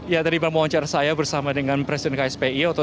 ya terima kasih saya bersama dengan presiden kspi